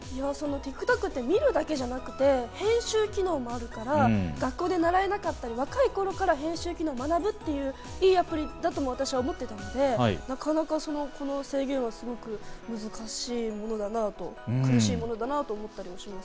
ＴｉｋＴｏｋって見るだけじゃなくて編集機能もあるから、学校で習えなかったり、若い頃から編集機能を学ぶという良いアプリだと私は思っていたので、なかなかこの制限はすごく難しいものだなと、厳しいものだなぁと思ったりします。